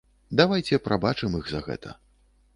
Давайце прабачым іх за гэта.